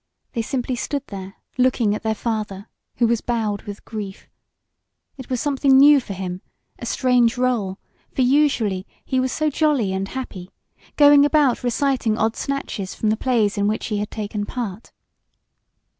They simply stood there, looking at their father, who was bowed with grief. It was something new for him a strange rôle, for usually he was so jolly and happy going about reciting odd snatches from the plays in which he had taken part.